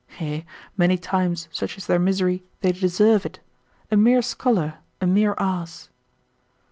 Yea, many times, such is their misery, they deserve it: a mere scholar, a mere ass.